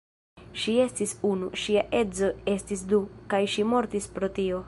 Ŝi estis unu, ŝia edzo estis du; kaj ŝi mortis pro tio.